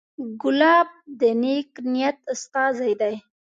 ګلاب د نیک نیت استازی دی.